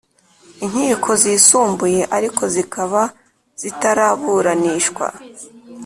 Inkiko Zisumbuye ariko zikaba zitaraburanishwa